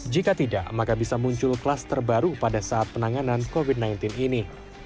jika tidak maka bisa muncul klaster baru pada saat penanganan covid sembilan belas ini